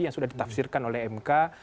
yang sudah ditafsirkan oleh mk